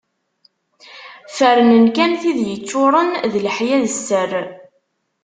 Ferrnen kan tid yeččuren d leḥya d sser.